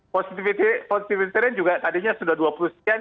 positivitas teren juga tadinya sudah dua puluh sekian